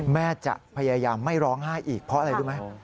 แม่จะพยายามไม่ร้องไห้อีกเพราะอะไรรู้ไหม